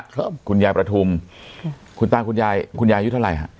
ครับคุณยายประทุมคุณตาคุณยายคุณยายอายุเท่าไหร่ฮะ